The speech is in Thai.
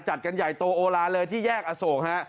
จัดกันใหญ่โตโอลาเลยที่แยกอโศกฮะ